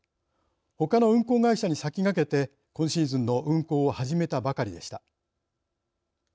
ほかの運航会社に先駆けて今シーズンの運航を始めたばかりでした。